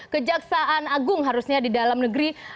kejaksaan agung harusnya di dalam negeri